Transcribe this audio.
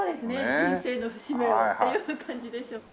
人生の節目をっていう感じでしょう。